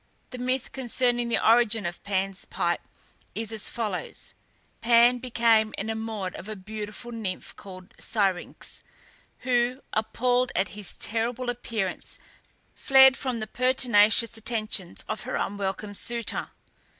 The myth concerning the origin of Pan's pipe is as follows: Pan became enamoured of a beautiful nymph, called Syrinx, who, appalled at his terrible appearance, fled from the pertinacious attentions of her unwelcome suitor.